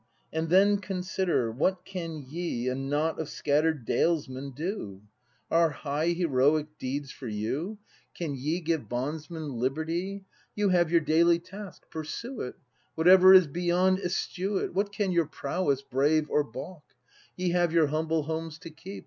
And then consider; what can ye, A knot of scatter'd dalesmen, do ? 274 BRAND [act v Are high heroic deeds for you ? Can ye give bondsmen liberty ? You have your daily task; pursue it! Whatever is beyond, eschew it! What can your prowess brave or baulk ? Ye have your humble homes to keep.